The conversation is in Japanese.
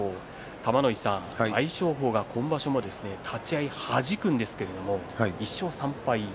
玉ノ井さん、大翔鵬が今場所も立ち合いはじくんですけれども１勝３敗。